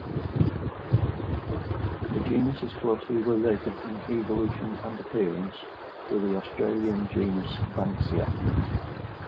The genus is closely related in evolution and appearance to the Australian genus "Banksia".